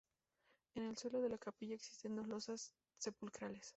En el suelo de la capilla existen dos losas sepulcrales.